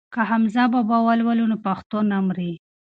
که حمزه بابا ولولو نو پښتو نه مري.